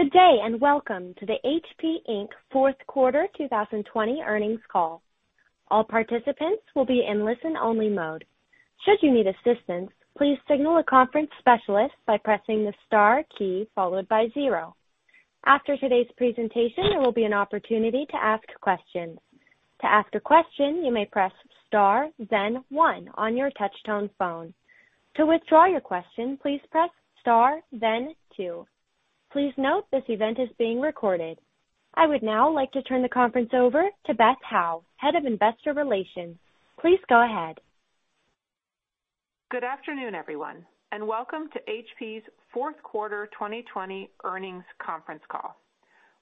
Good day, and welcome to the HP Inc. fourth Quarter 2020 earnings call. All participants will be in listen-only mode. Should you need assistance, please signal a conference specialist by pressing the star key followed by zero. After today's presentation, there will be an opportunity to ask a question. To ask a question, you may press star then one on your touch-tone phone. To withdraw your question, please press star then two. Please note this event is being recorded. I would now like to turn the conference over to Beth Howe, Head of Investor Relations. Please go ahead. Good afternoon, everyone, and welcome to HP's fourth quarter 2020 earnings conference call.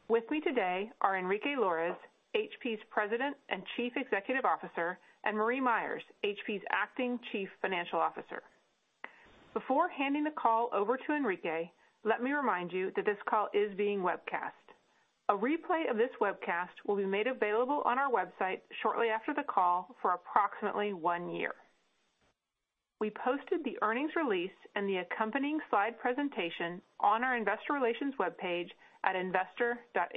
With me today are Enrique Lores, HP's President and Chief Executive Officer, and Marie Myers, HP's Acting Chief Financial Officer. Before handing the call over to Enrique, let me remind you that this call is being webcast. A replay of this webcast will be made available on our website shortly after the call for approximately one year. We posted the earnings release and the accompanying slide presentation on our investor relations webpage at investor.hp.com.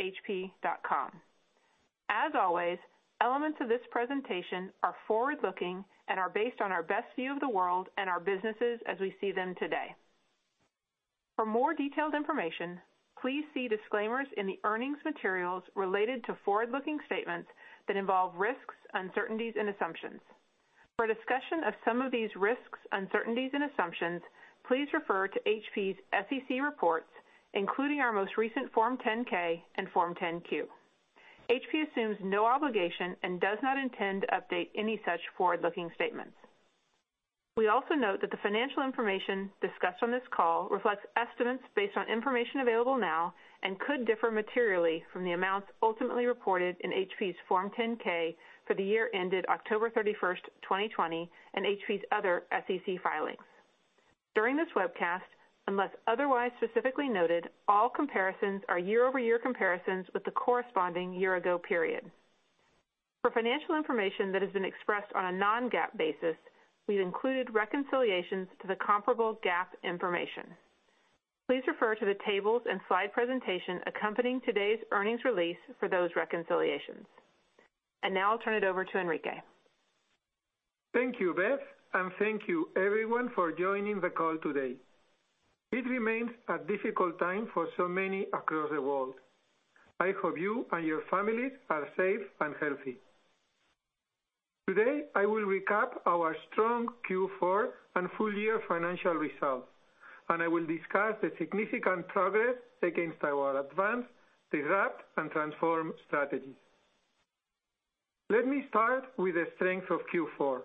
As always, elements of this presentation are forward-looking and are based on our best view of the world and our businesses as we see them today. For more detailed information, please see disclaimers in the earnings materials related to forward-looking statements that involve risks, uncertainties, and assumptions. For a discussion of some of these risks, uncertainties, and assumptions, please refer to HP's SEC reports, including our most recent Form 10-K and Form 10-Q. HP assumes no obligation and does not intend to update any such forward-looking statements. We also note that the financial information discussed on this call reflects estimates based on information available now, and could differ materially from the amounts ultimately reported in HP's Form 10-K for the year ended October 31st, 2020, and HP's other SEC filings. During this webcast, unless otherwise specifically noted, all comparisons are year-over-year comparisons with the corresponding year-ago period. For financial information that has been expressed on a non-GAAP basis, we've included reconciliations to the comparable GAAP information. Please refer to the tables and slide presentation accompanying today's earnings release for those reconciliations. Now I'll turn it over to Enrique. Thank you, Beth. Thank you, everyone, for joining the call today. It remains a difficult time for so many across the world. I hope you and your families are safe and healthy. Today, I will recap our strong Q4 and full-year financial results, and I will discuss the significant progress against our advance, disrupt, and transform strategies. Let me start with the strength of Q4,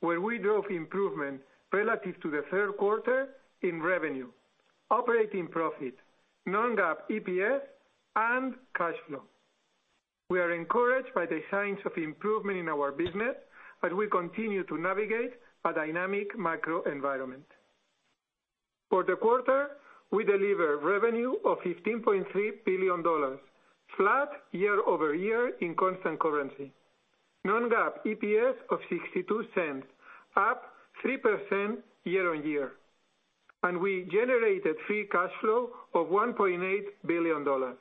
where we drove improvement relative to the third quarter in revenue, operating profit, non-GAAP EPS, and cash flow. We are encouraged by the signs of improvement in our business as we continue to navigate a dynamic macro environment. For the quarter, we delivered revenue of $15.3 billion, flat year-over-year in constant currency, non-GAAP EPS of $0.62, up 3% year-on-year. We generated free cash flow of $1.8 billion.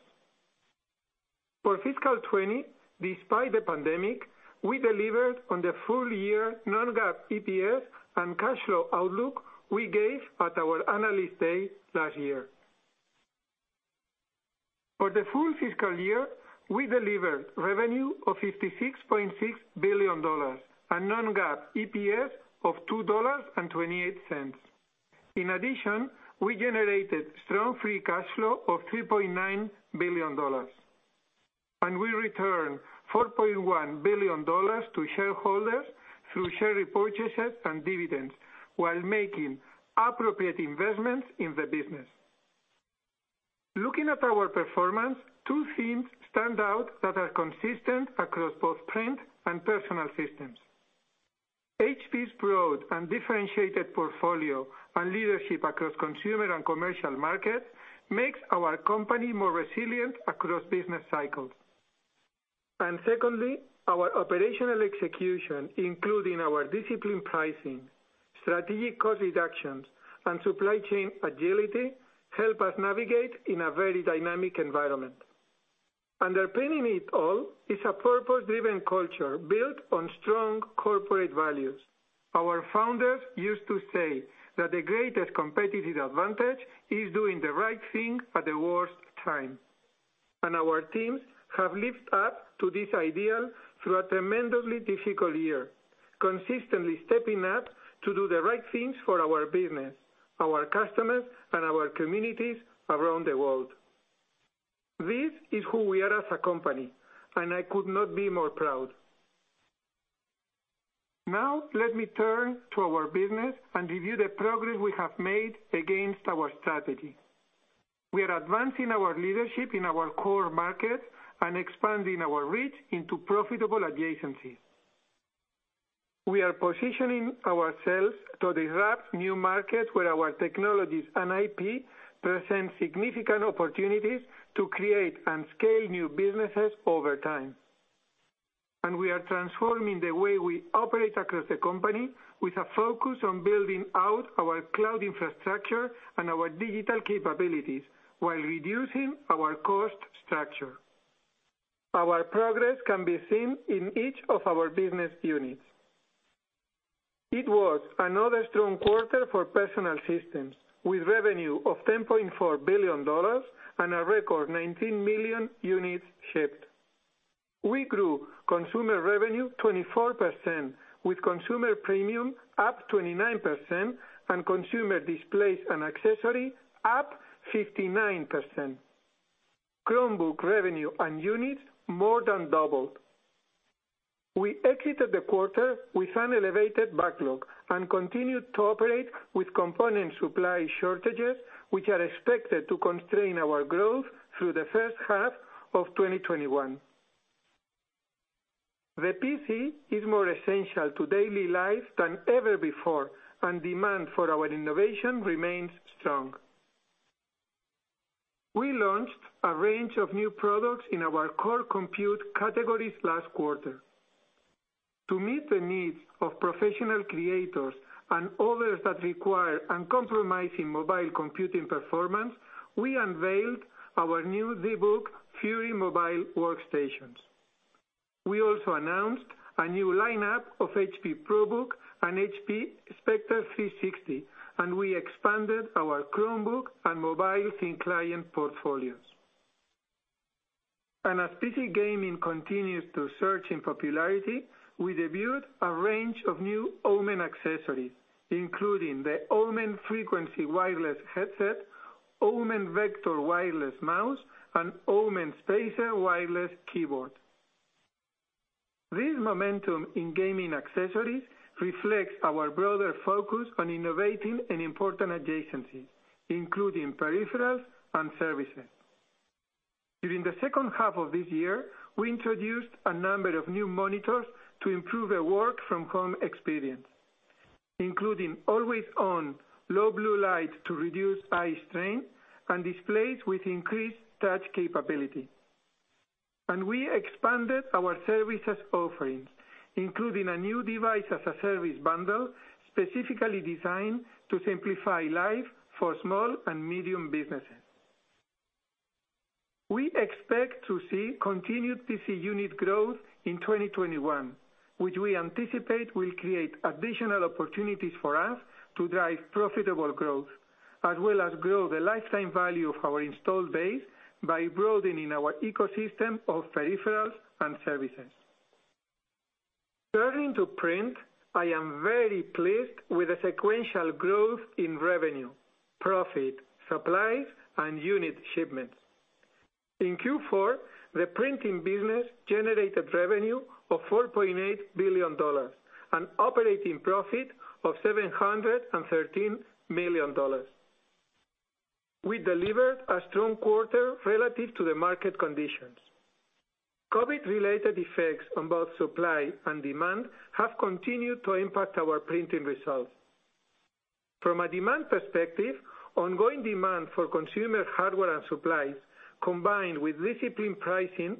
For fiscal 2020, despite the pandemic, we delivered on the full-year non-GAAP EPS and cash flow outlook we gave at our Analyst Day last year. For the full fiscal year, we delivered revenue of $56.6 billion, a non-GAAP EPS of $2.28. In addition, we generated strong free cash flow of $3.9 billion, and we returned $4.1 billion to shareholders through share repurchases and dividends while making appropriate investments in the business. Looking at our performance, two themes stand out that are consistent across both Print and Personal Systems. HP's broad and differentiated portfolio and leadership across consumer and commercial markets makes our company more resilient across business cycles. Secondly, our operational execution, including our disciplined pricing, strategic cost reductions, and supply chain agility, help us navigate in a very dynamic environment. Underpinning it all is a purpose-driven culture built on strong corporate values. Our founders used to say that the greatest competitive advantage is doing the right thing at the worst time. Our teams have lived up to this ideal through a tremendously difficult year, consistently stepping up to do the right things for our business, our customers, and our communities around the world. This is who we are as a company, and I could not be more proud. Let me turn to our business and review the progress we have made against our strategy. We are advancing our leadership in our core markets and expanding our reach into profitable adjacencies. We are positioning ourselves to disrupt new markets where our technologies and IP present significant opportunities to create and scale new businesses over time. We are transforming the way we operate across the company with a focus on building out our cloud infrastructure and our digital capabilities while reducing our cost structure. Our progress can be seen in each of our business units. It was another strong quarter for Personal Systems, with revenue of $10.4 billion and a record 19 million units shipped. We grew consumer revenue 24%, with consumer premium up 29% and consumer displays and accessory up 59%. Chromebook revenue and units more than doubled. We exited the quarter with an elevated backlog and continued to operate with component supply shortages, which are expected to constrain our growth through the first half of 2021. The PC is more essential to daily life than ever before, and demand for our innovation remains strong. We launched a range of new products in our core compute categories last quarter. To meet the needs of professional creators and others that require uncompromising mobile computing performance, we unveiled our new ZBook Fury mobile workstations. We also announced a new lineup of HP ProBook and HP Spectre x360, and we expanded our Chromebook and mobile thin client portfolios. As PC gaming continues to surge in popularity, we debuted a range of new OMEN accessories, including the OMEN Frequency Wireless Headset, OMEN Vector Wireless Mouse, and OMEN Spacer Wireless TKL Keyboard. This momentum in gaming accessories reflects our broader focus on innovating in important adjacencies, including peripherals and services. During the second half of this year, we introduced a number of new monitors to improve the work-from-home experience, including always-on low blue light to reduce eye strain, and displays with increased touch capability. We expanded our services offerings, including a new device as a service bundle specifically designed to simplify life for small and medium businesses. We expect to see continued PC unit growth in 2021, which we anticipate will create additional opportunities for us to drive profitable growth, as well as grow the lifetime value of our installed base by broadening our ecosystem of peripherals and services. Turning to print, I am very pleased with the sequential growth in revenue, profit, supplies, and unit shipments. In Q4, the printing business generated revenue of $4.8 billion and operating profit of $713 million. We delivered a strong quarter relative to the market conditions. COVID-related effects on both supply and demand have continued to impact our printing results. From a demand perspective, ongoing demand for consumer hardware and supplies, combined with disciplined pricing,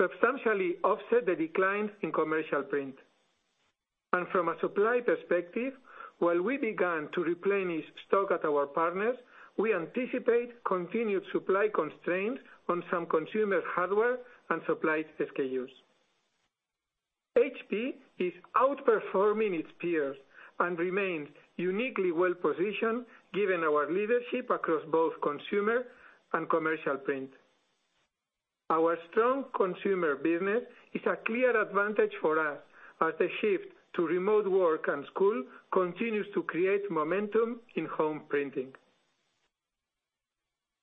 substantially offset the declines in commercial print. From a supply perspective, while we began to replenish stock at our partners, we anticipate continued supply constraints on some consumer hardware and supplies SKUs. HP is outperforming its peers and remains uniquely well-positioned given our leadership across both consumer and commercial print. Our strong consumer business is a clear advantage for us as the shift to remote work and school continues to create momentum in home printing.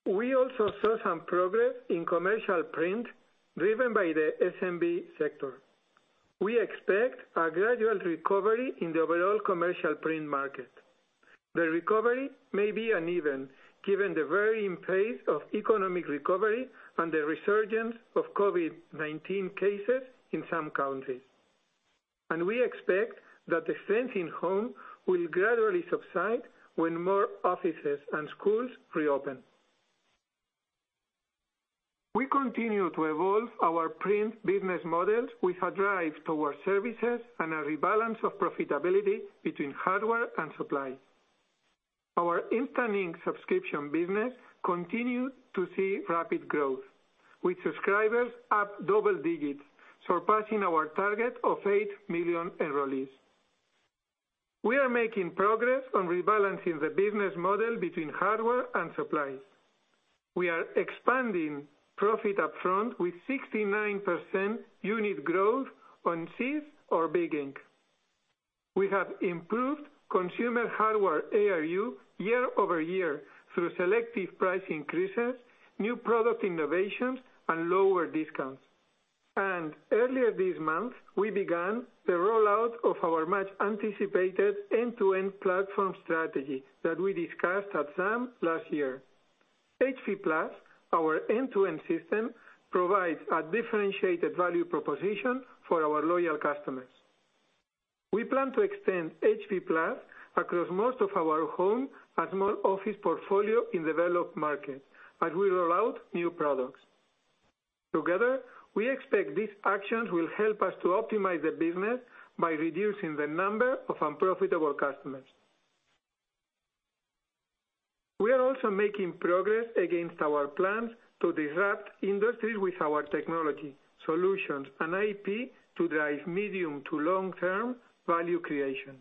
We also saw some progress in commercial print driven by the SMB sector. We expect a gradual recovery in the overall commercial print market. The recovery may be uneven, given the varying pace of economic recovery and the resurgence of COVID-19 cases in some countries. We expect that the strength in home will gradually subside when more offices and schools reopen. We continue to evolve our print business models with a drive towards services and a rebalance of profitability between hardware and supply. Our Instant Ink subscription business continued to see rapid growth, with subscribers up double digits, surpassing our target of eight million enrollees. We are making progress on rebalancing the business model between hardware and supplies. We are expanding profit upfront with 69% unit growth on CISS or big ink. We have improved consumer hardware ARU year-over-year through selective price increases, new product innovations, and lower discounts. Earlier this month, we began the rollout of our much-anticipated end-to-end platform strategy that we discussed at SAM last year. HP+, our end-to-end system, provides a differentiated value proposition for our loyal customers. We plan to extend HP+ across most of our home and small office portfolio in developed markets, as we roll out new products. Together, we expect these actions will help us to optimize the business by reducing the number of unprofitable customers. We are also making progress against our plans to disrupt industries with our technology, solutions, and IP to drive medium to long-term value creation.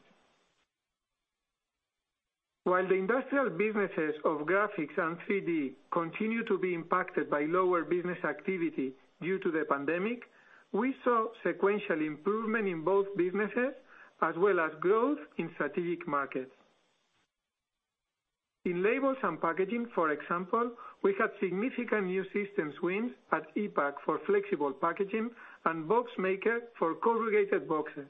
While the industrial businesses of graphics and 3D continue to be impacted by lower business activity due to the pandemic, we saw sequential improvement in both businesses, as well as growth in strategic markets. In labels and packaging, for example, we had significant new systems wins at ePac for flexible packaging and BoxMaker for corrugated boxes,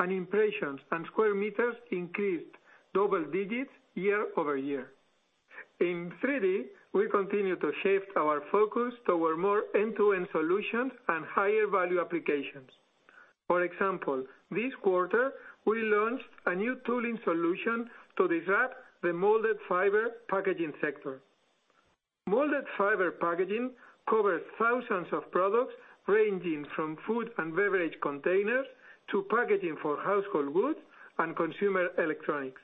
and impressions and square meters increased double digits year-over-year. In 3D, we continue to shift our focus toward more end-to-end solutions and higher value applications. For example, this quarter, we launched a new tooling solution to disrupt the molded fiber packaging sector. Molded fiber packaging covers thousands of products, ranging from food and beverage containers to packaging for household goods and consumer electronics.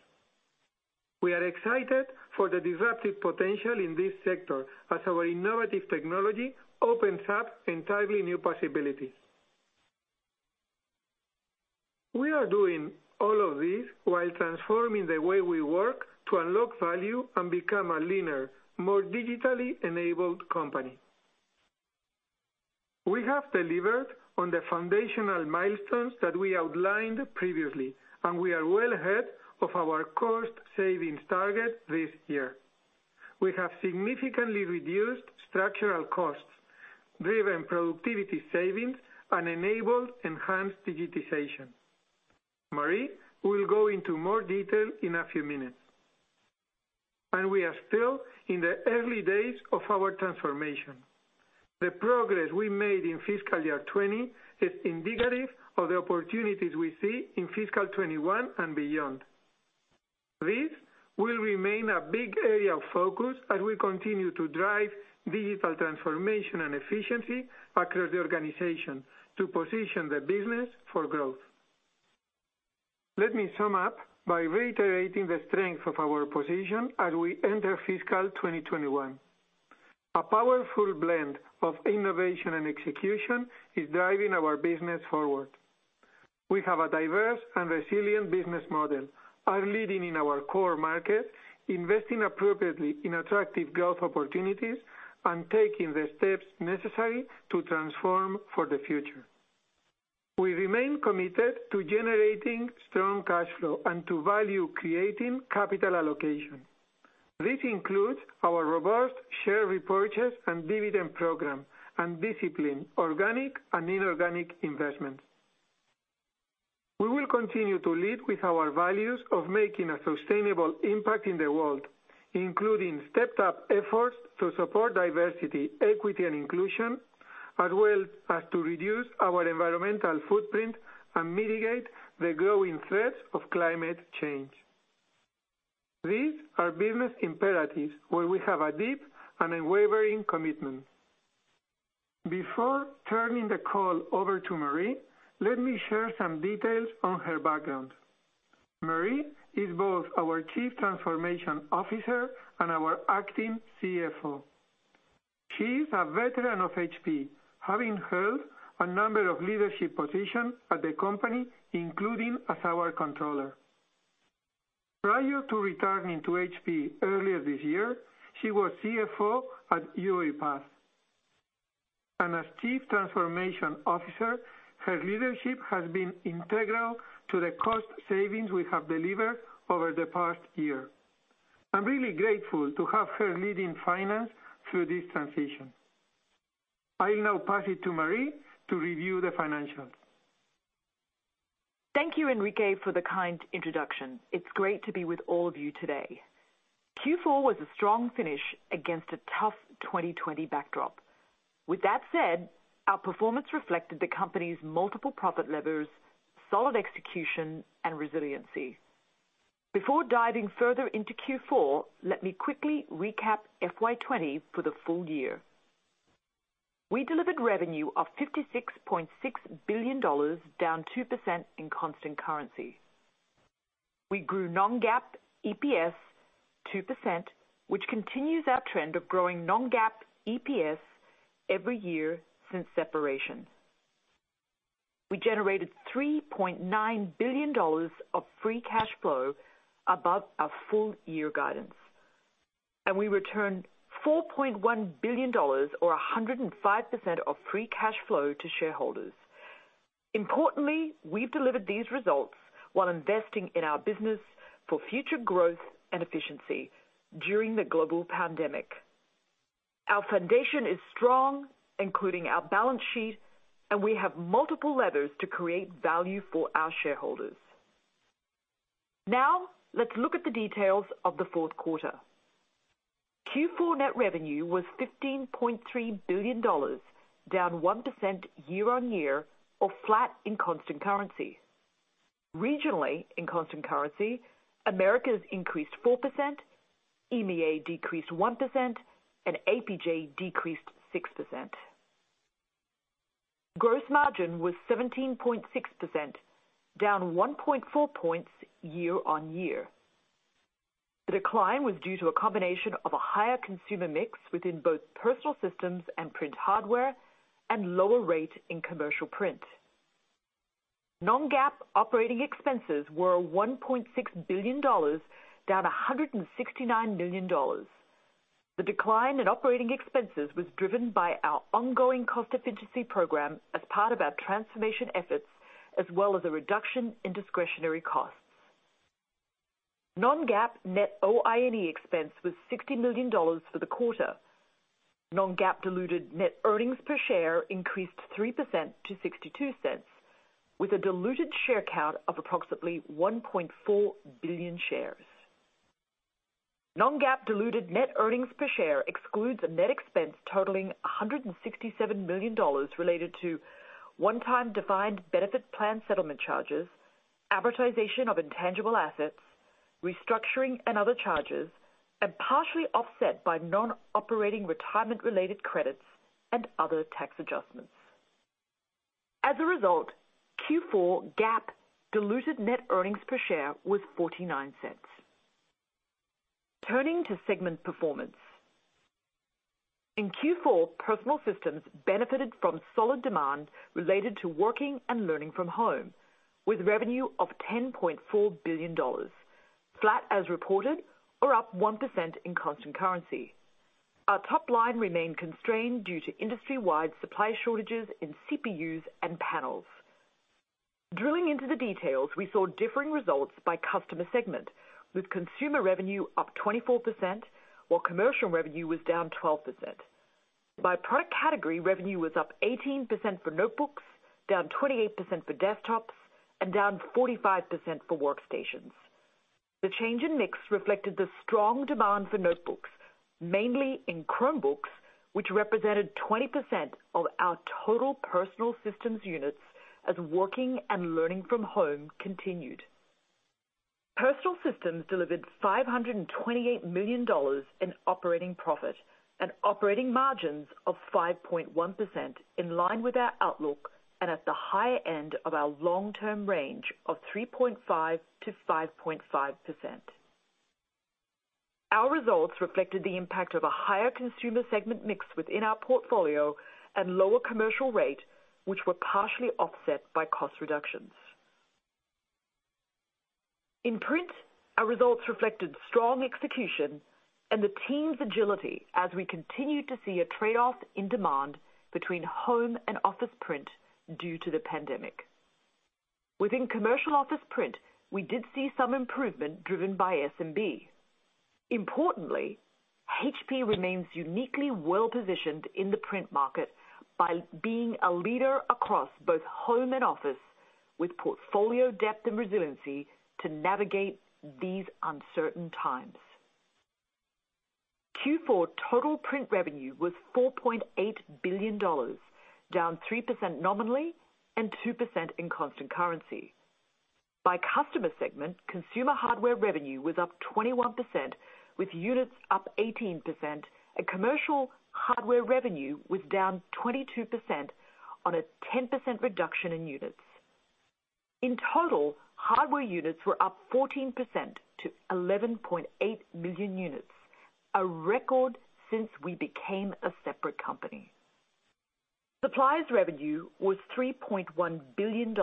We are excited for the disruptive potential in this sector as our innovative technology opens up entirely new possibilities. We are doing all of this while transforming the way we work to unlock value and become a leaner, more digitally enabled company. We have delivered on the foundational milestones that we outlined previously, and we are well ahead of our cost savings target this year. We have significantly reduced structural costs, driven productivity savings, and enabled enhanced digitization. Marie will go into more detail in a few minutes. We are still in the early days of our transformation. The progress we made in fiscal 2020 is indicative of the opportunities we see in fiscal 2021 and beyond. This will remain a big area of focus as we continue to drive digital transformation and efficiency across the organization to position the business for growth. Let me sum up by reiterating the strength of our position as we enter fiscal 2021. A powerful blend of innovation and execution is driving our business forward. We have a diverse and resilient business model, are leading in our core market, investing appropriately in attractive growth opportunities, and taking the steps necessary to transform for the future. We remain committed to generating strong cash flow and to value-creating capital allocation. This includes our robust share repurchase and dividend program and disciplined organic and inorganic investments. We will continue to lead with our values of making a sustainable impact in the world, including stepped-up efforts to support diversity, equity, and inclusion, as well as to reduce our environmental footprint and mitigate the growing threats of climate change. These are business imperatives where we have a deep and unwavering commitment. Before turning the call over to Marie, let me share some details on her background. Marie is both our Chief Transformation Officer and our Acting CFO. She is a veteran of HP, having held a number of leadership positions at the company, including as our controller. Prior to returning to HP earlier this year, she was CFO at UiPath. As Chief Transformation Officer, her leadership has been integral to the cost savings we have delivered over the past year. I'm really grateful to have her leading finance through this transition. I'll now pass it to Marie to review the financials. Thank you, Enrique, for the kind introduction. It's great to be with all of you today. Q4 was a strong finish against a tough 2020 backdrop. With that said, our performance reflected the company's multiple profit levers, solid execution, and resiliency. Before diving further into Q4, let me quickly recap FY 2020 for the full year. We delivered revenue of $56.6 billion, down 2% in constant currency. We grew non-GAAP EPS 2%, which continues our trend of growing non-GAAP EPS every year since separation. We generated $3.9 billion of free cash flow above our full-year guidance, and we returned $4.1 billion, or 105% of free cash flow to shareholders. Importantly, we've delivered these results while investing in our business for future growth and efficiency during the global pandemic. Our foundation is strong, including our balance sheet, and we have multiple levers to create value for our shareholders. Let's look at the details of the fourth quarter. Q4 net revenue was $15.3 billion, down 1% year-on-year or flat in constant currency. Regionally, in constant currency, Americas increased 4%, EMEA decreased 1%, and APJ decreased 6%. Gross margin was 17.6%, down 1.4 points year-on-year. The decline was due to a combination of a higher consumer mix within both Personal Systems and print hardware, and lower rate in commercial print. Non-GAAP operating expenses were $1.6 billion, down $169 million. The decline in operating expenses was driven by our ongoing cost efficiency program as part of our transformation efforts, as well as a reduction in discretionary costs. Non-GAAP net OIE expense was $60 million for the quarter. Non-GAAP diluted net earnings per share increased 3% to $0.62, with a diluted share count of approximately 1.4 billion shares. Non-GAAP diluted net earnings per share excludes a net expense totaling $167 million related to one-time defined benefit plan settlement charges, amortization of intangible assets, restructuring and other charges, and partially offset by non-operating retirement-related credits and other tax adjustments. As a result, Q4 GAAP diluted net earnings per share was $0.49. Turning to segment performance. In Q4, Personal Systems benefited from solid demand related to working and learning from home, with revenue of $10.4 billion, flat as reported or up 1% in constant currency. Our top line remained constrained due to industry-wide supply shortages in CPUs and panels. Drilling into the details, we saw differing results by customer segment, with consumer revenue up 24%, while commercial revenue was down 12%. By product category, revenue was up 18% for notebooks, down 28% for desktops, and down 45% for workstations. The change in mix reflected the strong demand for notebooks, mainly in Chromebooks, which represented 20% of our total Personal Systems units as working and learning from home continued. Personal Systems delivered $528 million in operating profit and operating margins of 5.1%, in line with our outlook and at the higher end of our long-term range of 3.5%-5.5%. Our results reflected the impact of a higher consumer segment mix within our portfolio and lower commercial rate, which were partially offset by cost reductions. In print, our results reflected strong execution and the team's agility as we continued to see a trade-off in demand between home and office print due to the pandemic. Within commercial office print, we did see some improvement driven by SMB. Importantly, HP remains uniquely well-positioned in the print market by being a leader across both home and office, with portfolio depth and resiliency to navigate these uncertain times. Q4 total print revenue was $4.8 billion, down 3% nominally and 2% in constant currency. By customer segment, consumer hardware revenue was up 21%, with units up 18%, and commercial hardware revenue was down 22% on a 10% reduction in units. In total, hardware units were up 14% to 11.8 million units, a record since we became a separate company. Supplies revenue was $3.1 billion,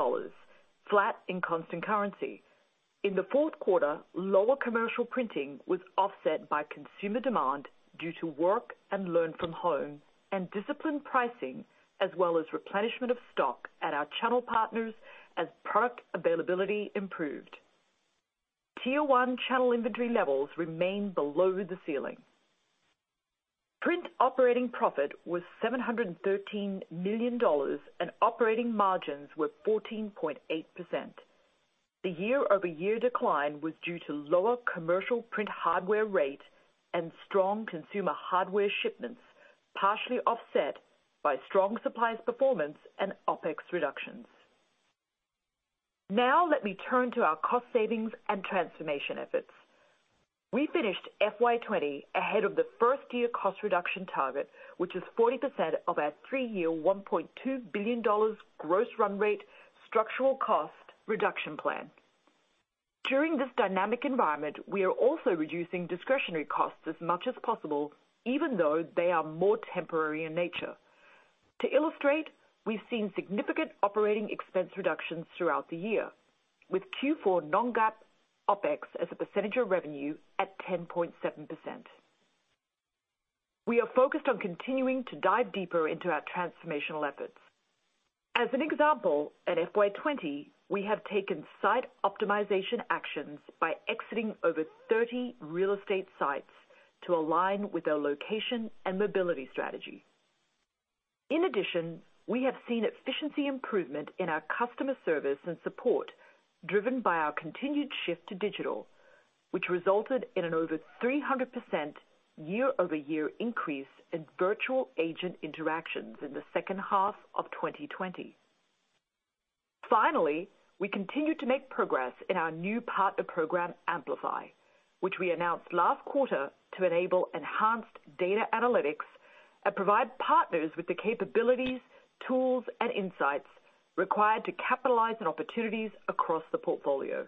flat in constant currency. In the fourth quarter, lower commercial printing was offset by consumer demand due to work and learn from home and disciplined pricing, as well as replenishment of stock at our channel partners as product availability improved. Tier 1 channel inventory levels remain below the ceiling. Print operating profit was $713 million, and operating margins were 14.8%. The year-over-year decline was due to lower commercial print hardware rate and strong consumer hardware shipments, partially offset by strong supplies performance and OpEx reductions. Now, let me turn to our cost savings and transformation efforts. We finished FY 2020 ahead of the first-year cost reduction target, which is 40% of our three-year $1.2 billion gross run rate structural cost reduction plan. During this dynamic environment, we are also reducing discretionary costs as much as possible, even though they are more temporary in nature. To illustrate, we've seen significant operating expense reductions throughout the year, with Q4 non-GAAP OpEx as a percentage of revenue at 10.7%. We are focused on continuing to dive deeper into our transformational efforts. As an example, at FY 2020, we have taken site optimization actions by exiting over 30 real estate sites to align with our location and mobility strategy. In addition, we have seen efficiency improvement in our customer service and support driven by our continued shift to digital, which resulted in an over 300% year-over-year increase in virtual agent interactions in the second half of 2020. Finally, we continue to make progress in our new partner program, Amplify, which we announced last quarter to enable enhanced data analytics and provide partners with the capabilities, tools, and insights required to capitalize on opportunities across the portfolio.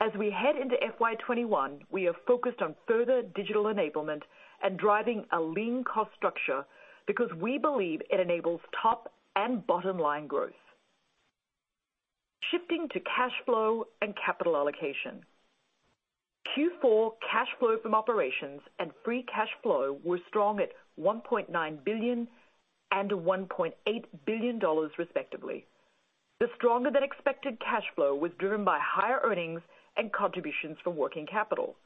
As we head into FY 2021, we are focused on further digital enablement and driving a lean cost structure because we believe it enables top and bottom-line growth. Shifting to cash flow and capital allocation. Q4 cash flow from operations and free cash flow were strong at $1.9 billion and $1.8 billion, respectively. The stronger-than-expected cash flow was driven by higher earnings and contributions from working capital.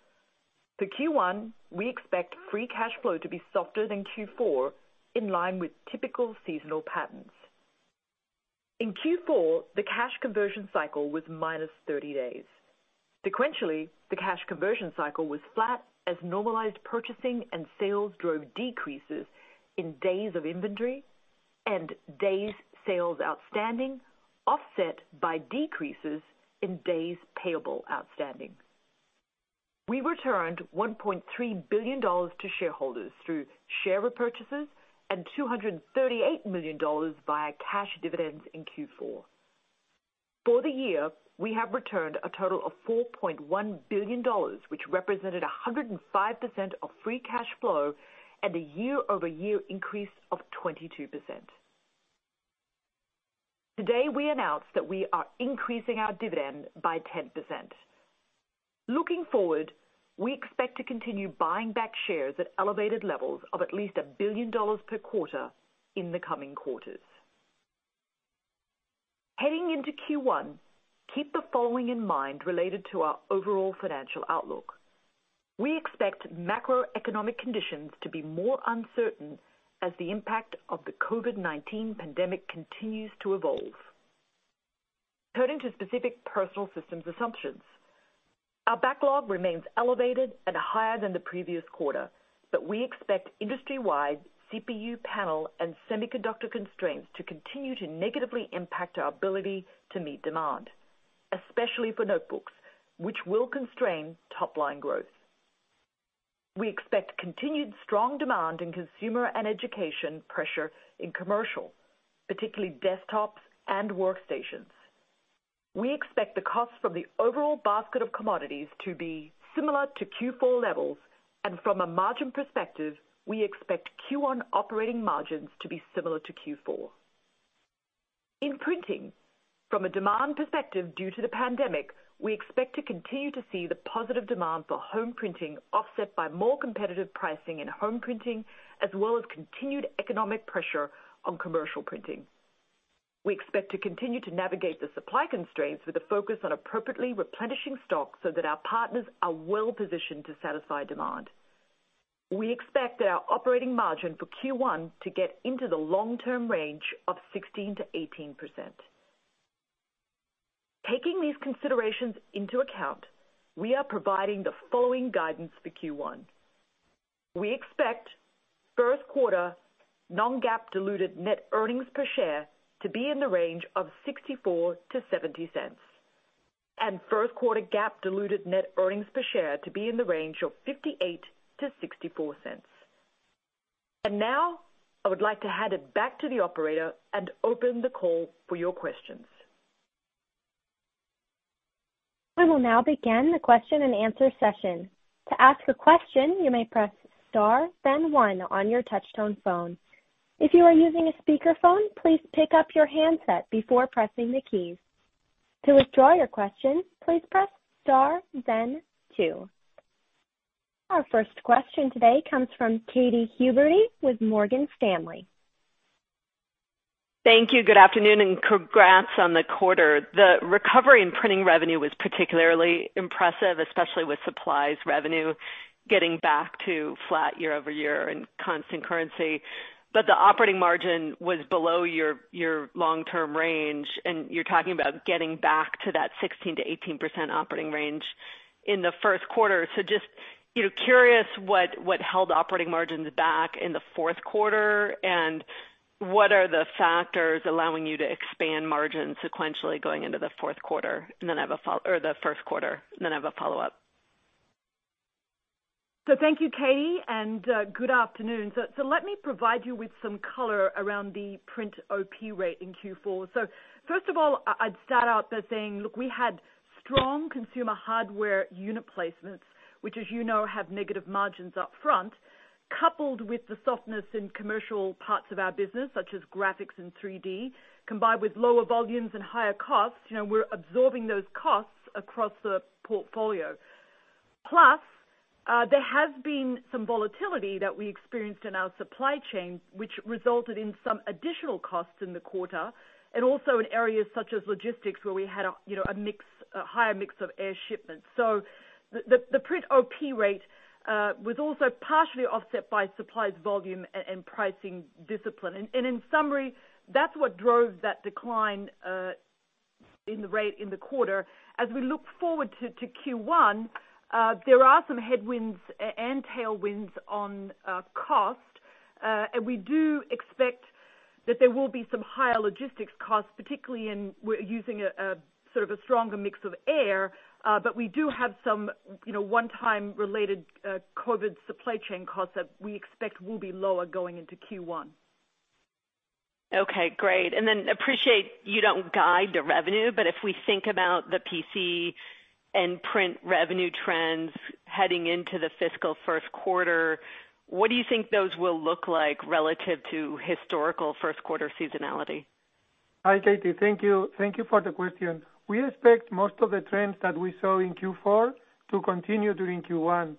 For Q1, we expect free cash flow to be softer than Q4, in line with typical seasonal patterns. In Q4, the cash conversion cycle was -30 days. Sequentially, the cash conversion cycle was flat as normalized purchasing and sales drove decreases in days of inventory and days sales outstanding, offset by decreases in days payable outstanding. We returned $1.3 billion to shareholders through share repurchases and $238 million via cash dividends in Q4. For the year, we have returned a total of $4.1 billion, which represented 105% of free cash flow and a year-over-year increase of 22%. Today, we announced that we are increasing our dividend by 10%. Looking forward, we expect to continue buying back shares at elevated levels of at least $1 billion per quarter in the coming quarters. Heading into Q1, keep the following in mind related to our overall financial outlook. We expect macroeconomic conditions to be more uncertain as the impact of the COVID-19 pandemic continues to evolve. Turning to specific Personal Systems assumptions. Our backlog remains elevated and higher than the previous quarter. We expect industry-wide CPU panel and semiconductor constraints to continue to negatively impact our ability to meet demand, especially for notebooks, which will constrain top-line growth. We expect continued strong demand in consumer and education pressure in commercial, particularly desktops and workstations. We expect the cost from the overall basket of commodities to be similar to Q4 levels. From a margin perspective, we expect Q1 operating margins to be similar to Q4. In printing, from a demand perspective, due to the pandemic, we expect to continue to see the positive demand for home printing offset by more competitive pricing in home printing, as well as continued economic pressure on commercial printing. We expect to continue to navigate the supply constraints with a focus on appropriately replenishing stock so that our partners are well-positioned to satisfy demand. We expect that our operating margin for Q1 to get into the long-term range of 16%-18%. Taking these considerations into account, we are providing the following guidance for Q1. We expect first-quarter non-GAAP diluted net earnings per share to be in the range of $0.64-$0.70, and first-quarter GAAP diluted net earnings per share to be in the range of $0.58-$0.64. Now, I would like to hand it back to the operator and open the call for your questions. I will now begin the question-and-answer session. To ask a question, you may press star then one on your touch-tone phone. If you are using a speakerphone, please pick up your handset before pressing the keys. To withdraw your question, please press star then two. Our first question today comes from Katy Huberty with Morgan Stanley. Thank you. Good afternoon, and congrats on the quarter. The recovery in printing revenue was particularly impressive, especially with supplies revenue getting back to flat year-over-year in constant currency. The operating margin was below your long-term range, and you're talking about getting back to that 16%-18% operating range in the first quarter. Just curious what held operating margins back in the fourth quarter, and what are the factors allowing you to expand margins sequentially going into the first quarter? I have a follow-up. Thank you, Katy, and good afternoon. Let me provide you with some color around the print OP rate in Q4. First of all, I'd start out by saying, look, we had strong consumer hardware unit placements, which, as you know, have negative margins up front, coupled with the softness in commercial parts of our business, such as graphics and 3D, combined with lower volumes and higher costs. We're absorbing those costs across the portfolio. Plus, there has been some volatility that we experienced in our supply chain, which resulted in some additional costs in the quarter, and also in areas such as logistics, where we had a higher mix of air shipments. The print OP rate was also partially offset by supplies volume and pricing discipline. In summary, that's what drove that decline in the rate in the quarter. As we look forward to Q1, there are some headwinds and tailwinds on cost. We do expect that there will be some higher logistics costs, particularly in using sort of a stronger mix of air. We do have some one-time related COVID supply chain costs that we expect will be lower going into Q1. Okay, great. Appreciate you don't guide the revenue, but if we think about the PC and print revenue trends heading into the fiscal first quarter, what do you think those will look like relative to historical first quarter seasonality? Hi, Katy. Thank you for the question. We expect most of the trends that we saw in Q4 to continue during Q1.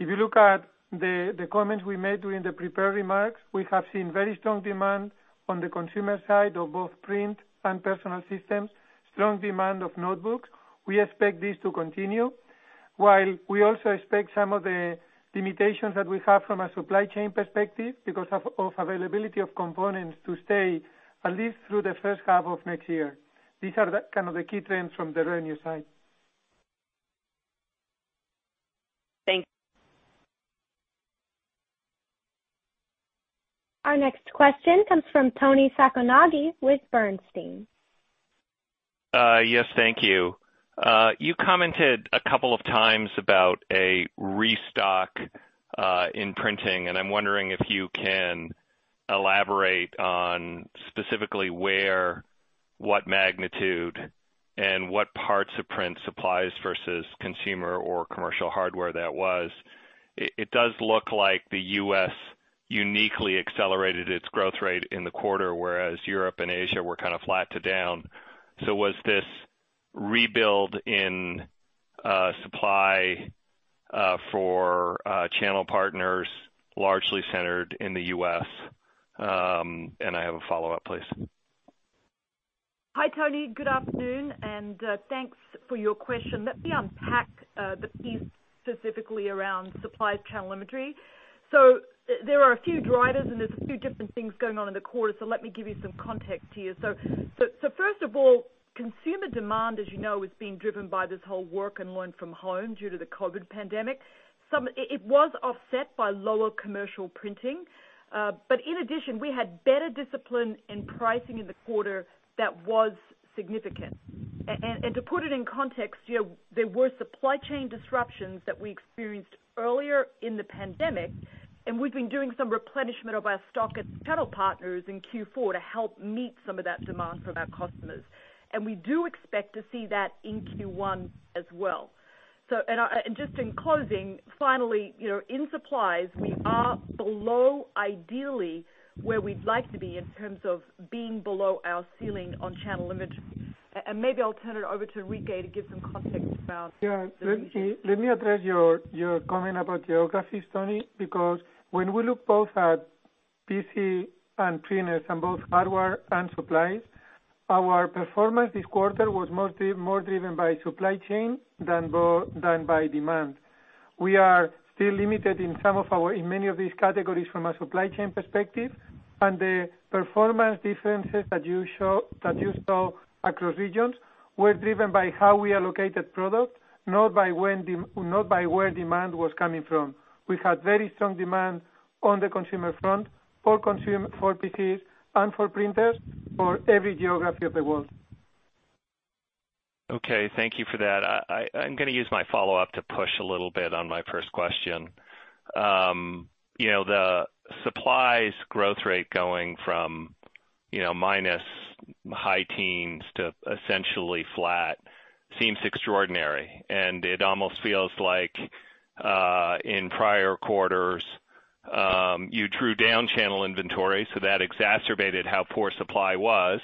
If you look at the comments we made during the prepared remarks, we have seen very strong demand on the consumer side of both print and Personal Systems, strong demand of notebooks. We expect this to continue, while we also expect some of the limitations that we have from a supply chain perspective because of availability of components to stay at least through the first half of next year. These are kind of the key trends from the revenue side. Thanks. Our next question comes from Toni Sacconaghi with Bernstein. Yes. Thank you. You commented a couple of times about a restock in printing, and I'm wondering if you can elaborate on specifically where, what magnitude, and what parts of print supplies versus consumer or commercial hardware that was. It does look like the U.S. uniquely accelerated its growth rate in the quarter, whereas Europe and Asia were kind of flat to down. Was this rebuild in supply for channel partners largely centered in the U.S.? I have a follow-up, please. Hi, Toni. Good afternoon. Thanks for your question. Let me unpack the piece specifically around supplies channel inventory. There are a few drivers, and there's a few different things going on in the quarter, so let me give you some context here. First of all, consumer demand, as you know, has been driven by this whole work and learn from home due to the COVID pandemic. It was offset by lower commercial printing. In addition, we had better discipline in pricing in the quarter that was significant. To put it in context, there were supply chain disruptions that we experienced earlier in the pandemic, and we've been doing some replenishment of our stock at channel partners in Q4 to help meet some of that demand from our customers. We do expect to see that in Q1 as well. Just in closing, finally, in supplies, we are below ideally where we'd like to be in terms of being below our ceiling on channel inventory. Maybe I'll turn it over to Enrique to give some context about the region. Yeah. Let me address your comment about geographies, Toni, because when we look both at PC and printers and both hardware and supplies, our performance this quarter was more driven by supply chain than by demand. We are still limited in many of these categories from a supply chain perspective, and the performance differences that you saw across regions were driven by how we allocated product, not by where demand was coming from. We had very strong demand on the consumer front for PCs and for printers for every geography of the world. Okay, thank you for that. I'm going to use my follow-up to push a little bit on my first question. The supplies growth rate going from minus high teens to essentially flat seems extraordinary, and it almost feels like, in prior quarters, you drew down channel inventory, so that exacerbated how poor supply was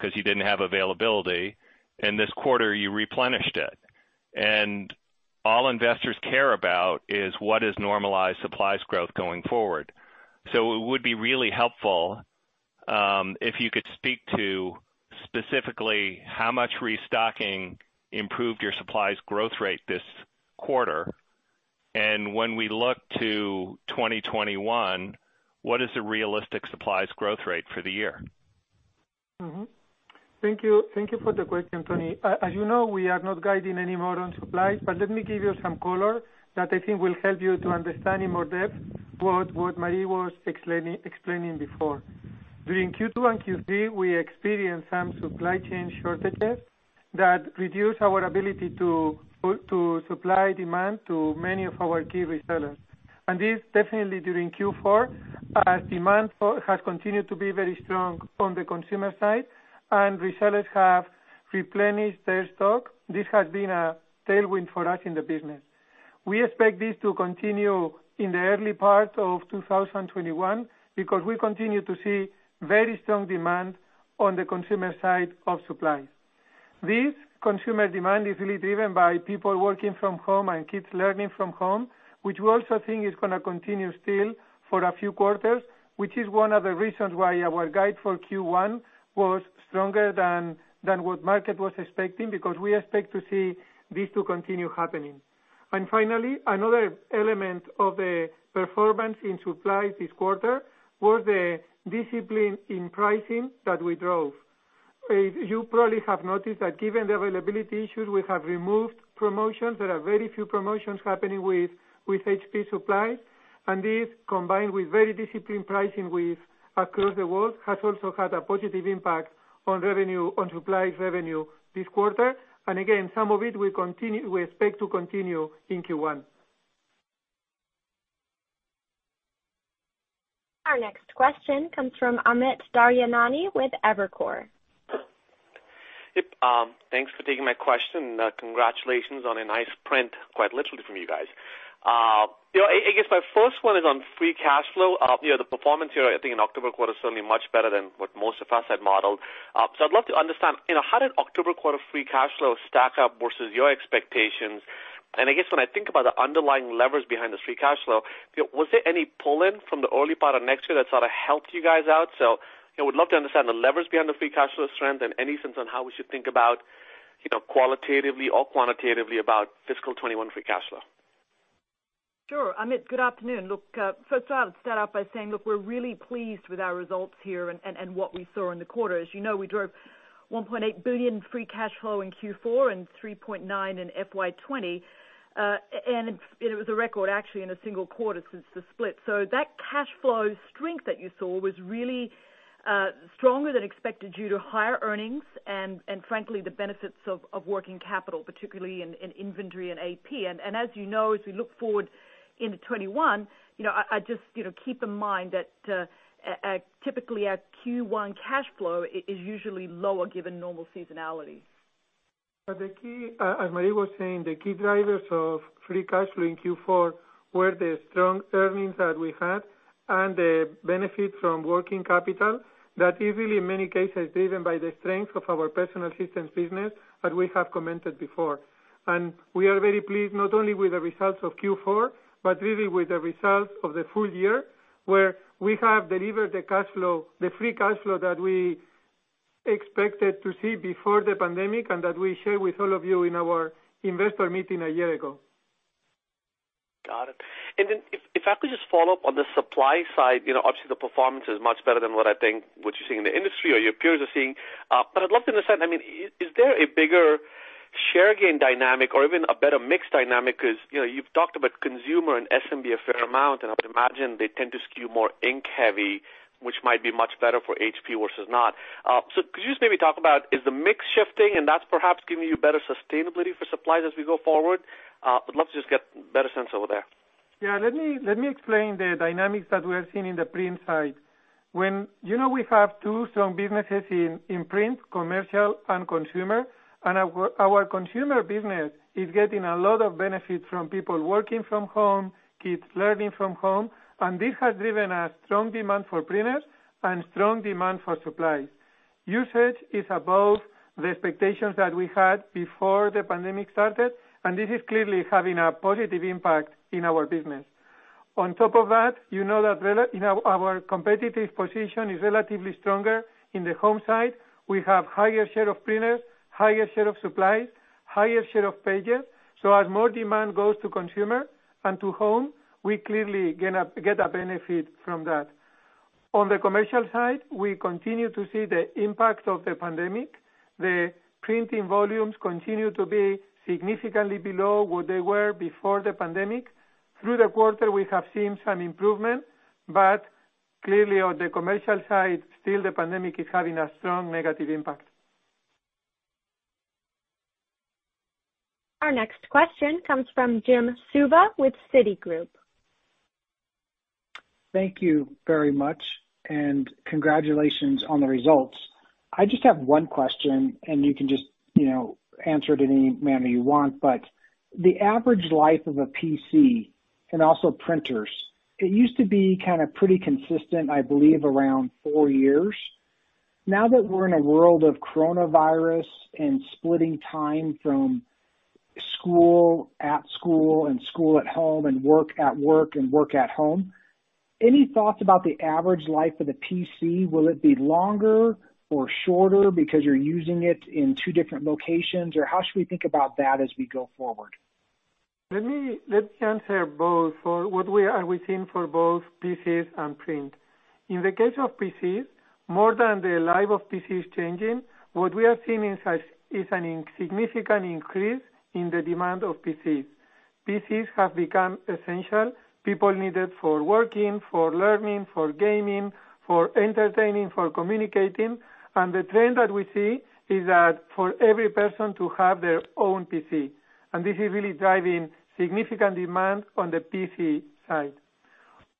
because you didn't have availability, and this quarter you replenished it. All investors care about is what is normalized supplies growth going forward. It would be really helpful if you could speak to specifically how much restocking improved your supplies growth rate this quarter. When we look to 2021, what is the realistic supplies growth rate for the year? Thank you for the question, Toni. As you know, we are not guiding any more on supplies, but let me give you some color that I think will help you to understand in more depth what Marie was explaining before. During Q2 and Q3, we experienced some supply chain shortages that reduced our ability to supply demand to many of our key resellers. This, definitely during Q4, as demand has continued to be very strong on the consumer side and resellers have replenished their stock, has been a tailwind for us in the business. We expect this to continue in the early part of 2021 because we continue to see very strong demand on the consumer side of supplies. This consumer demand is really driven by people working from home and kids learning from home, which we also think is going to continue still for a few quarters, which is one of the reasons why our guide for Q1 was stronger than what market was expecting, because we expect to see this to continue happening. Finally, another element of the performance in supplies this quarter was the discipline in pricing that we drove. You probably have noticed that, given the availability issues, we have removed promotions. There are very few promotions happening with HP supplies. This, combined with very disciplined pricing across the world, has also had a positive impact on supplies revenue this quarter. Again, some of it we expect to continue in Q1. Our next question comes from Amit Daryanani with Evercore. Yep. Thanks for taking my question. Congratulations on a nice print, quite literally from you guys. I guess my first one is on free cash flow. The performance here, I think, in October quarter is certainly much better than what most of us had modeled. I'd love to understand how did October quarter free cash flow stacked up versus your expectations? I guess when I think about the underlying levers behind this free cash flow, was there any pull-in from the early part of next year that sort of helped you guys out? I would love to understand the levers behind the free cash flow strength and any sense on how we should think about qualitatively or quantitatively about fiscal 2021 free cash flow. Sure. Amit, good afternoon. Look, first I'll start out by saying, look, we're really pleased with our results here and what we saw in the quarter. As you know, we drove $1.8 billion free cash flow in Q4 and $3.9 billion in FY 2020. It was a record, actually, in a single quarter since the split. That cash flow strength that you saw was really stronger than expected due to higher earnings and, frankly, the benefits of working capital, particularly in inventory and AP. As you know, as we look forward into 2021, just keep in mind that typically our Q1 cash flow is usually lower given normal seasonality. The key, as Marie was saying, the key drivers of free cash flow in Q4 were the strong earnings that we had and the benefit from working capital, that is, really in many cases, driven by the strength of our Personal Systems business that we have commented before. We are very pleased not only with the results of Q4, but really with the results of the full year, where we have delivered the free cash flow that we expected to see before the pandemic, and that we shared with all of you in our investor meeting a year ago. Got it. If I could just follow up on the supply side, obviously, the performance is much better than what you're seeing in the industry or your peers are seeing. I'd love to understand, is there a bigger share gain dynamic or even a better mix dynamic? You've talked about consumer and SMB a fair amount, and I would imagine they tend to skew more ink-heavy, which might be much better for HP versus not. Could you just maybe talk about is the mix shifting and that's perhaps giving you better sustainability for supplies as we go forward? I'd love to just get better sense over there. Yeah, let me explain the dynamics that we are seeing in the Print side. You know we have two strong businesses in Print, Commercial and Consumer. Our Consumer business is getting a lot of benefit from people working from home, kids learning from home. This has driven a strong demand for printers and strong demand for supplies. Usage is above the expectations that we had before the pandemic started. This is clearly having a positive impact in our business. On top of that, you know that our competitive position is relatively stronger in the home side. We have higher share of printers, higher share of supplies, higher share of pages. As more demand goes to Consumer and to home, we clearly get a benefit from that. On the Commercial side, we continue to see the impact of the pandemic. The printing volumes continue to be significantly below what they were before the pandemic. Through the quarter, we have seen some improvement, clearly on the commercial side, still the pandemic is having a strong negative impact. Our next question comes from Jim Suva with Citigroup. Thank you very much. Congratulations on the results. I just have one question, and you can just answer it in any manner you want, but the average life of a PC, and also printers, it used to be kind of pretty consistent, I believe around four years. Now that we're in a world of coronavirus and splitting time from school-at-school and school-at-home, and work-at-work and work-at-home, any thoughts about the average life of the PC? Will it be longer or shorter because you're using it in two different locations? How should we think about that as we go forward? Let me answer both for what are we seeing for both PCs and print. In the case of PCs, more than the life of PC is changing. What we are seeing is a significant increase in the demand of PCs. PCs have become essential. People need it for working, for learning, for gaming, for entertaining, for communicating. The trend that we see is that for every person to have their own PC, and this is really driving significant demand on the PC side.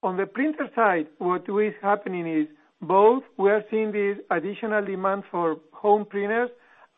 On the printer side, what is happening is both we are seeing this additional demand for home printers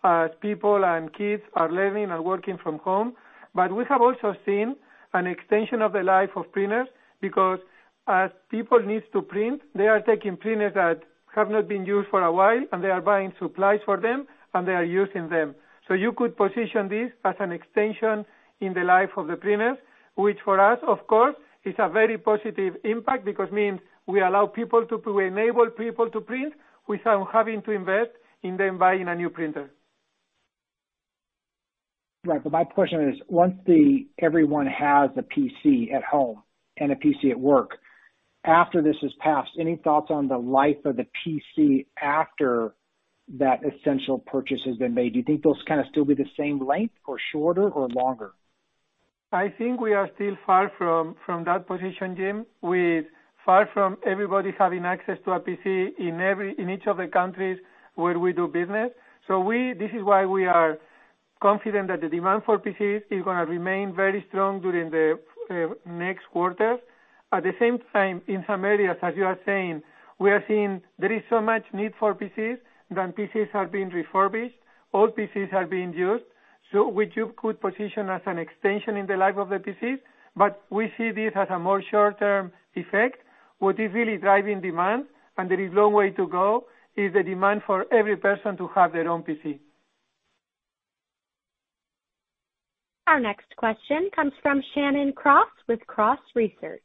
as people and kids are learning and working from home. We have also seen an extension of the life of printers because as people need to print, they are taking printers that have not been used for a while, and they are buying supplies for them, and they are using them. You could position this as an extension in the life of the printers. Which for us, of course, is a very positive impact because it means we enable people to print without having to invest in them buying a new printer. Right. My question is, once everyone has a PC at home and a PC at work, after this has passed, any thoughts on the life of the PC after that essential purchase has been made? Do you think those kind of still be the same length or shorter or longer? I think we are still far from that position, Jim. We're far from everybody having access to a PC in each of the countries where we do business. This is why we are confident that the demand for PCs is going to remain very strong during the next quarters. At the same time, in some areas, as you are saying, we are seeing there is so much need for PCs that PCs are being refurbished, old PCs are being used. Which you could position as an extension in the life of the PCs, but we see this as a more short-term effect. What is really driving demand, and there is a long way to go, is the demand for every person to have their own PC. Our next question comes from Shannon Cross with Cross Research.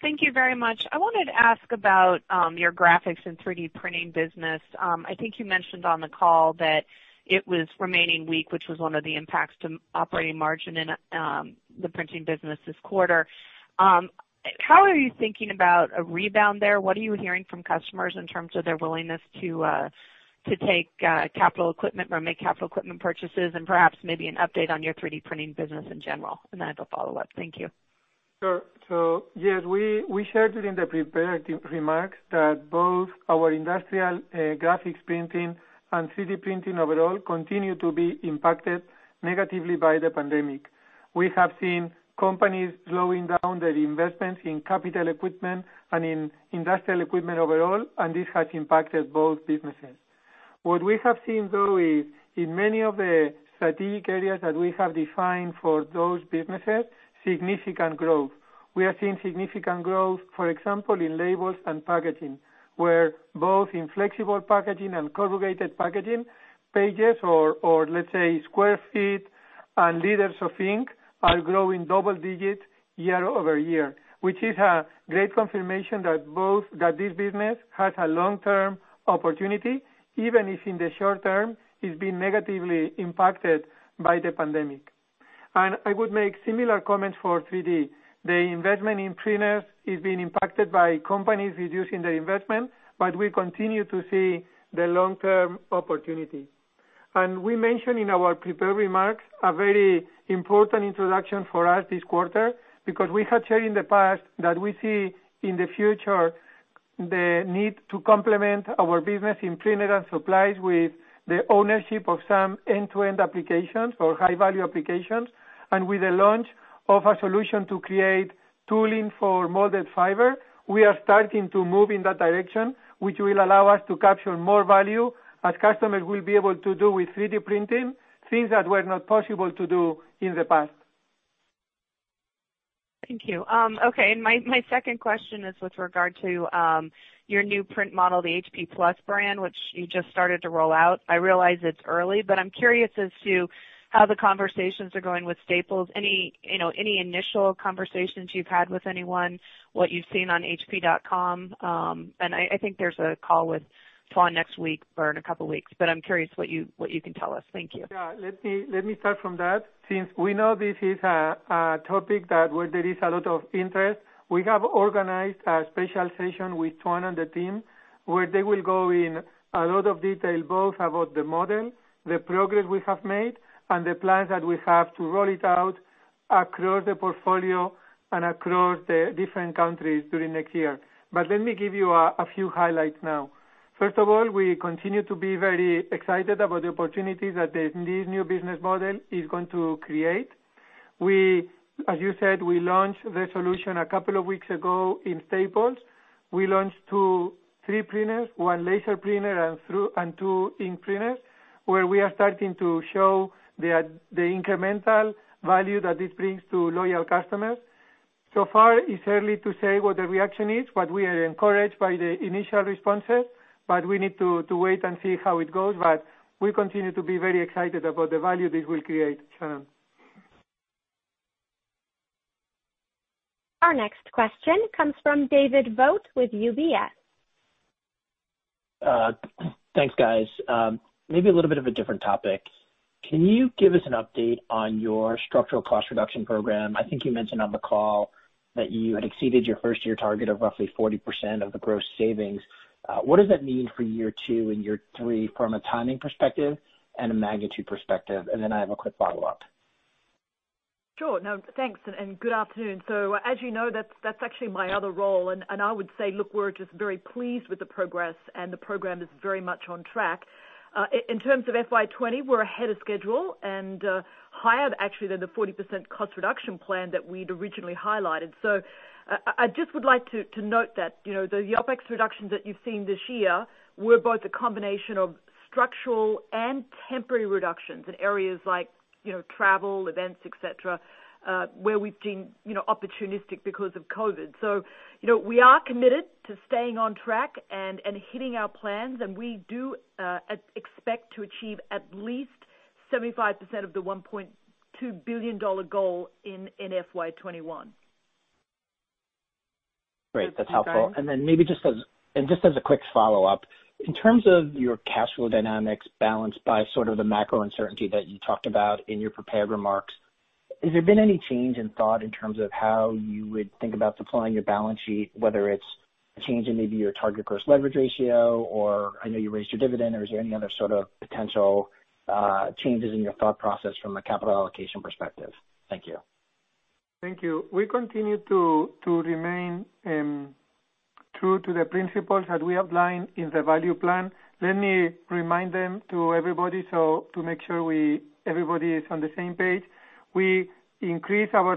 Thank you very much. I wanted to ask about your graphics and 3D printing business. I think you mentioned on the call that it was remaining weak, which was one of the impacts to operating margin in the printing business this quarter. How are you thinking about a rebound there? What are you hearing from customers in terms of their willingness to make capital equipment purchases? Perhaps maybe an update on your 3D printing business in general, then I have a follow-up. Thank you. Sure. Yes, we shared it in the prepared remarks that both our industrial graphics printing and 3D printing overall continue to be impacted negatively by the pandemic. We have seen companies slowing down their investments in capital equipment and in industrial equipment overall, and this has impacted both businesses. What we have seen, though, is in many of the strategic areas that we have defined for those businesses, significant growth. We are seeing significant growth, for example, in labels and packaging, where both in flexible packaging and corrugated packaging, pages or let's say square feet and liters of ink are growing double digits year-over-year, which is a great confirmation that this business has a long-term opportunity, even if in the short term it's been negatively impacted by the pandemic. I would make similar comments for 3D. The investment in printers is being impacted by companies reducing the investment, but we continue to see the long-term opportunity. We mentioned in our prepared remarks a very important introduction for us this quarter, because we had shared in the past that we see in the future the need to complement our business in printers and supplies with the ownership of some end-to-end applications or high-value applications. With the launch of a solution to create tooling for molded fiber, we are starting to move in that direction, which will allow us to capture more value as customers will be able to do with 3D printing things that were not possible to do in the past. Thank you. Okay. My second question is with regard to your new print model, the HP+ brand, which you just started to roll out. I realize it's early, but I'm curious as to how the conversations are going with Staples. Any initial conversations you've had with anyone, what you've seen on hp.com? I think there's a call with Tuan next week or in a couple of weeks, but I'm curious what you can tell us. Thank you. Let me start from that. Since we know this is a topic that where there is a lot of interest, we have organized a special session with Tuan and the team where they will go in a lot of detail, both about the model, the progress we have made, and the plans that we have to roll it out across the portfolio and across the different countries during next year. Let me give you a few highlights now. First of all, we continue to be very excited about the opportunities that this new business model is going to create. As you said, we launched the solution a couple of weeks ago in Staples. We launched three printers, one laser printer and two ink printers, where we are starting to show the incremental value that this brings to loyal customers. It's early to say what the reaction is, but we are encouraged by the initial responses. We need to wait and see how it goes, but we continue to be very excited about the value this will create, Shannon. Our next question comes from David Vogt with UBS. Thanks, guys. Maybe a little bit of a different topic. Can you give us an update on your structural cost reduction program? I think you mentioned on the call that you had exceeded your first-year target of roughly 40% of the gross savings. What does that mean for year two and year three from a timing perspective and a magnitude perspective? I have a quick follow-up. Sure. Now, thanks, and good afternoon. As you know, that's actually my other role, and I would say, look, we're just very pleased with the progress, and the program is very much on track. In terms of FY 2020, we're ahead of schedule and higher, actually, than the 40% cost reduction plan that we'd originally highlighted. I just would like to note that the OpEx reductions that you've seen this year were both a combination of structural and temporary reductions in areas like travel, events, et cetera, where we've been opportunistic because of COVID. We are committed to staying on track and hitting our plans, and we do expect to achieve at least 75% of the $1.2 billion goal in FY 2021. Great. That's helpful. Then maybe just as a quick follow-up, in terms of your cash flow dynamics balanced by sort of the macro uncertainty that you talked about in your prepared remarks, has there been any change in thought in terms of how you would think about supplying your balance sheet, whether it's changing maybe your target core leverage ratio, or I know you raised your dividend, or is there any other sort of potential changes in your thought process from a capital allocation perspective? Thank you. Thank you. We continue to remain true to the principles that we outlined in the value plan. Let me remind them to everybody so that everybody is on the same page. We increase our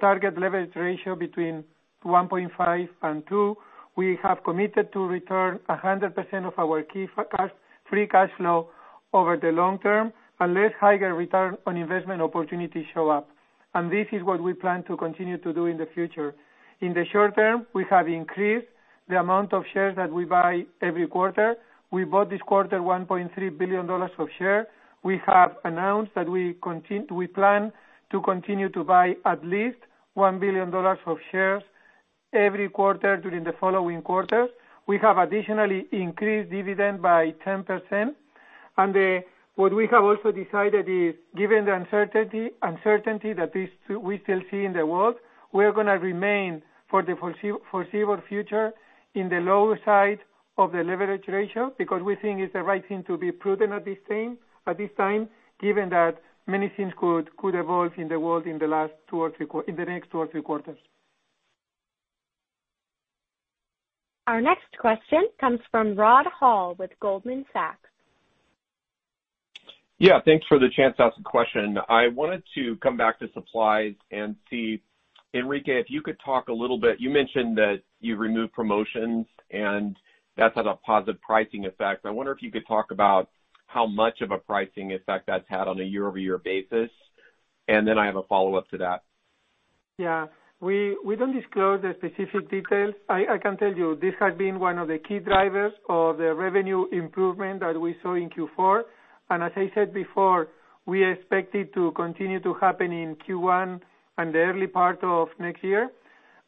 target leverage ratio between 1.5 and two. We have committed to return 100% of our key free cash flow over the long term unless higher return on investment opportunities show up. This is what we plan to continue to do in the future. In the short term, we have increased the amount of shares that we buy every quarter. We bought this quarter $1.3 billion of share. We have announced that we plan to continue to buy at least $1 billion of shares every quarter during the following quarters. We have additionally increased dividend by 10%. What we have also decided is, given the uncertainty that we still see in the world, we are going to remain for the foreseeable future in the lower side of the leverage ratio, because we think it's the right thing to be prudent at this time, given that many things could evolve in the world in the next two or three quarters. Our next question comes from Rod Hall with Goldman Sachs. Yeah. Thanks for the chance to ask the question. I wanted to come back to supplies and see. Enrique, if you could talk a little bit, you mentioned that you removed promotions, and that's had a positive pricing effect. I wonder if you could talk about how much of a pricing effect that's had on a year-over-year basis. Then I have a follow-up to that. Yeah. We don't disclose the specific details. I can tell you this has been one of the key drivers of the revenue improvement that we saw in Q4. As I said before, we expect it to continue to happen in Q1 and the early part of next year.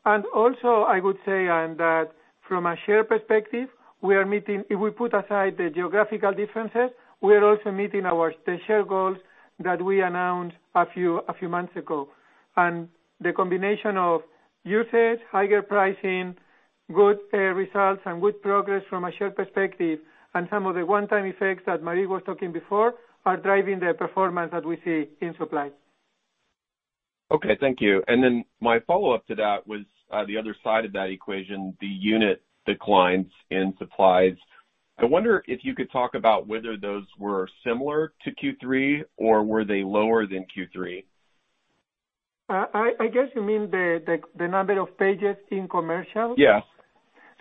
Also, I would say that from a share perspective, if we put aside the geographical differences, we are also meeting our share goals that we announced a few months ago. The combination of usage, higher pricing, good results, and good progress from a share perspective, and some of the one-time effects that Marie was talking before are driving the performance that we see in supplies. Okay, thank you. My follow-up to that was the other side of that equation, the unit declines in supplies. I wonder if you could talk about whether those were similar to Q3 or were they lower than Q3? I guess you mean the number of pages in commercial?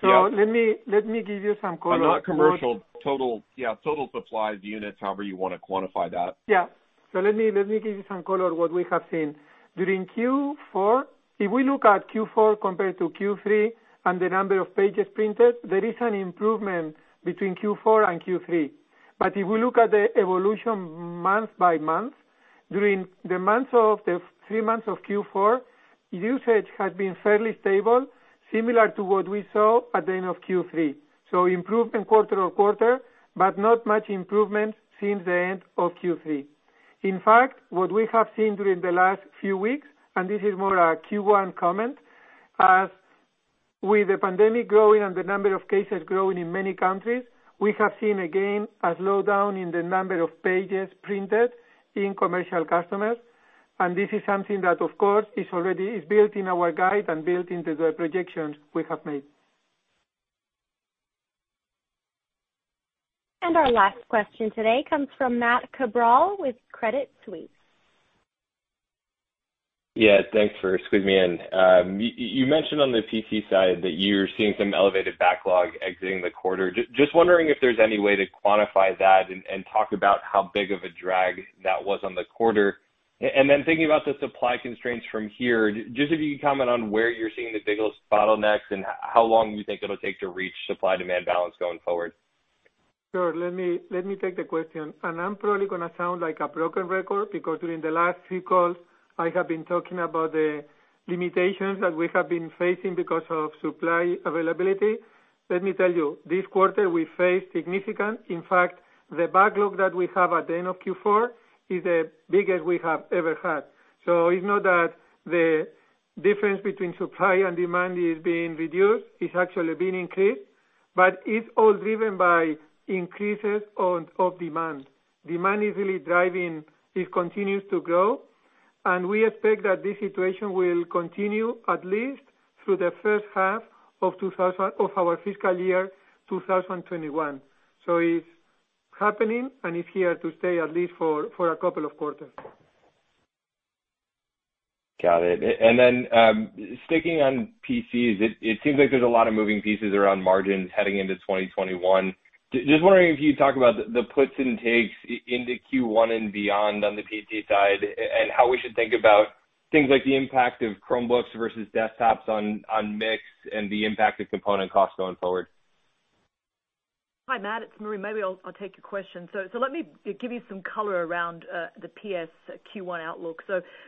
Yeah. Let me give you some color- Not commercial. Total supplies units, however you want to quantify that. Let me give you some color what we have seen. During Q4, if we look at Q4 compared to Q3 and the number of pages printed, there is an improvement between Q4 and Q3. If we look at the evolution month by month, during the three months of Q4, usage has been fairly stable, similar to what we saw at the end of Q3. Improvement quarter on quarter, but not much improvement since the end of Q3. In fact, what we have seen during the last few weeks, and this is more a Q1 comment, as with the pandemic growing and the number of cases growing in many countries, we have seen, again, a slowdown in the number of pages printed in commercial customers. This is something that, of course, is already built in our guide and built into the projections we have made. Our last question today comes from Matt Cabral with Credit Suisse. Thanks for squeezing me in. You mentioned on the PC side that you're seeing some elevated backlog exiting the quarter. Just wondering if there's any way to quantify that and talk about how big of a drag that was on the quarter. Thinking about the supply constraints from here, just if you could comment on where you're seeing the biggest bottlenecks and how long you think it'll take to reach supply-demand balance going forward. Sure. Let me take the question. I'm probably going to sound like a broken record because during the last three calls, I have been talking about the limitations that we have been facing because of supply availability. Let me tell you, this quarter, we faced significant. In fact, the backlog that we have at the end of Q4 is the biggest we have ever had. It's not that the difference between supply and demand is being reduced. It's actually been increased. It's all driven by increases of demand. Demand is really driving. It continues to grow, and we expect that this situation will continue at least through the first half of our fiscal year 2021. It's happening, and it's here to stay at least for a couple of quarters. Got it. Sticking on PCs, it seems like there's a lot of moving pieces around margins heading into 2021. Just wondering if you could talk about the puts and takes into Q1 and beyond on the PC side, and how we should think about things like the impact of Chromebooks versus desktops on mix and the impact of component costs going forward. Hi, Matt. It's Marie. Maybe I'll take your question. Let me give you some color around the Personal Systems Q1 outlook.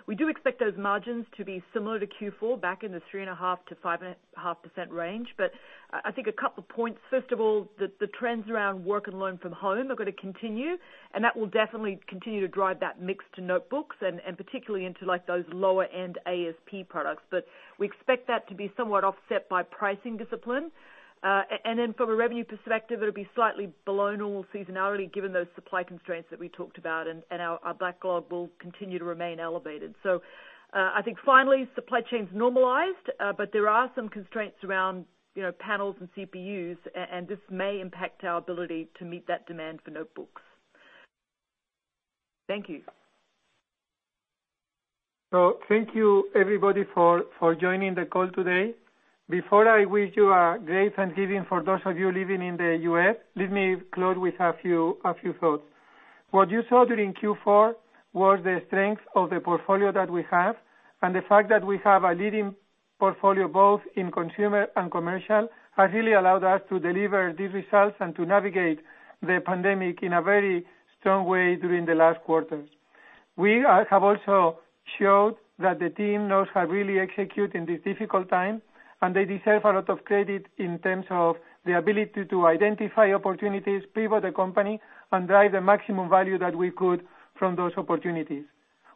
We do expect those margins to be similar to Q4, back in the 3.5%-5.5% range. I think a couple points. First of all, the trends around work and learn from home are going to continue, and that will definitely continue to drive that mix to notebooks and particularly into those lower-end ASP products. We expect that to be somewhat offset by pricing discipline. From a revenue perspective, it'll be slightly below normal seasonality given those supply constraints that we talked about, and our backlog will continue to remain elevated. I think finally, supply chain's normalized, but there are some constraints around panels and CPUs, and this may impact our ability to meet that demand for notebooks. Thank you. Thank you, everybody, for joining the call today. Before I wish you a great Thanksgiving, for those of you living in the U.S., let me close with a few thoughts. What you saw during Q4 was the strength of the portfolio that we have, and the fact that we have a leading portfolio, both in consumer and commercial, has really allowed us to deliver these results and to navigate the pandemic in a very strong way during the last quarters. We have also shown that the team knows how really execute in these difficult times, and they deserve a lot of credit in terms of the ability to identify opportunities, pivot the company, and drive the maximum value that we could from those opportunities.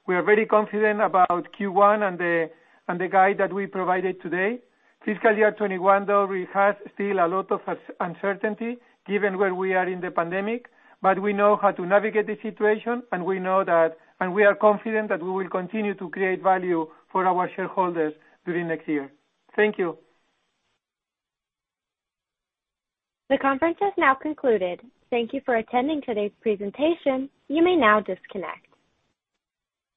We are very confident about Q1 and the guide that we provided today. Fiscal year 2021, though, has still a lot of uncertainty given where we are in the pandemic, but we know how to navigate the situation, and we are confident that we will continue to create value for our shareholders during next year. Thank you. The conference has now concluded. Thank you for attending today's presentation. You may now disconnect.